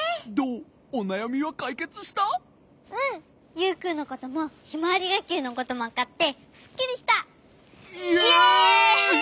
ユウくんのこともひまわりがっきゅうのこともわかってすっきりした！イェイ！